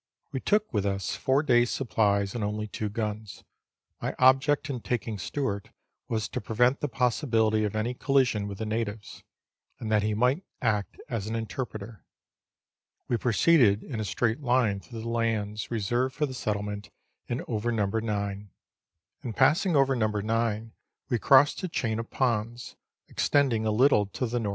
We took with us four days' supplies and only two guns. My object in taking Stewart was to prevent the possibility of any collision with the natives, and that he might act as an interpreter. We proceeded in a straight line through the lands reserved for the settlement, and over No. 9. In passing over No. 9 we crossed a chain of ponds, extending a little to the N.W.